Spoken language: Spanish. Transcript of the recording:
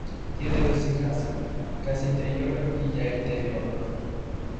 Tienen dos hijas, Cassie Taylor y Jae Taylor.